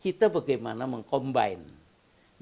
kita bagaimana mengkombinasi